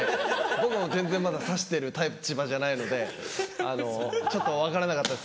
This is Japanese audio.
僕も全然まださしてる立場じゃないのであのちょっと分からなかったです